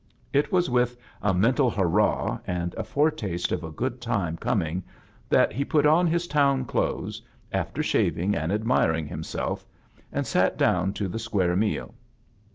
It was with a mental hurrah and a foretaste of a good time coming that he put on his town clothes, after sha^^ng and admiring himself, and sat down to the square meal.